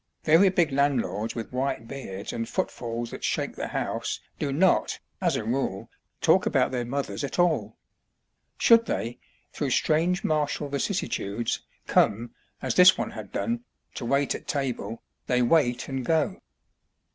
Very big landlords with white beards and footfalls that shake the house do not, as a rule, talk about their mothers at all. Should they, through strange martial vicissitudes, come, as this one had done, to wait at table, they wait and go.